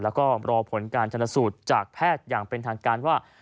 แล้วก็รอผลการชนสูตรจากแพทย์อย่างเป็นทางการว่า